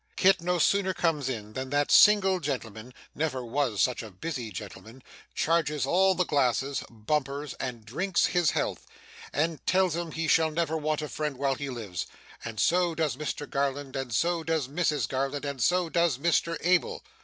Kit no sooner comes in, than that single gentleman (never was such a busy gentleman) charges all the glasses bumpers and drinks his health, and tells him he shall never want a friend while he lives; and so does Mr Garland, and so does Mrs Garland, and so does Mr Abel.